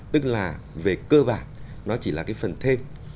tức là về cơ bản nó chỉ là cái phần thêm